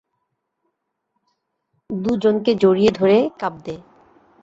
দু জনকে জড়িয়ে ধরে কাব্দে।